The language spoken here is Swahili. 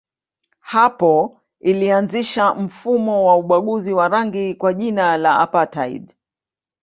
Hapo ilianzisha mfumo wa ubaguzi wa rangi kwa jina la apartheid.